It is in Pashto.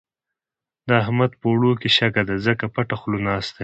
د احمد په اوړو کې شګه ده؛ ځکه پټه خوله ناست دی.